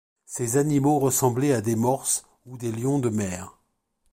Ces animaux ressemblaient à des morses ou des lions de mer.